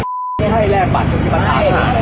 ไม่ให้แรกบัตรก็คือปัญหา